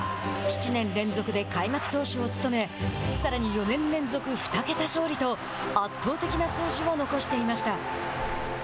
７年連続で開幕投手を務めさらに４年連続２桁勝利と圧倒的な数字を残していました。